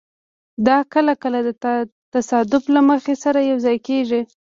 دا کله کله د تصادف له مخې سره یوځای کېږي.